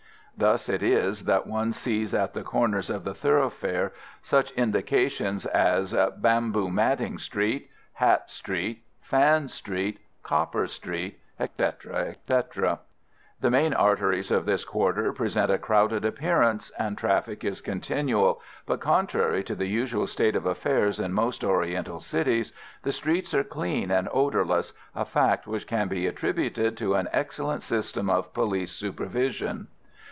Thus it is that one sees at the corners of the thoroughfares such indications as "Bamboo Matting Street," "Hat Street," "Fan Street," "Copper Street," etc., etc. The main arteries of this quarter present a crowded appearance, and traffic is continual, but, contrary to the usual state of affairs in most Oriental cities, the streets are clean and odourless, a fact which can be attributed to an excellent system of police supervision.